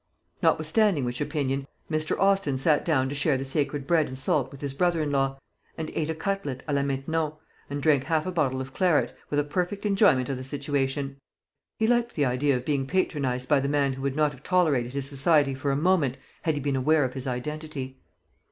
Notwithstanding which opinion Mr. Austin sat down to share the sacred bread and salt with his brother in law, and ate a cutlet a la Maintenon, and drank half a bottle of claret, with a perfect enjoyment of the situation. He liked the idea of being patronised by the man who would not have tolerated his society for a moment, had he been aware of his identity.